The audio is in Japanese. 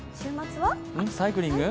サイクリング？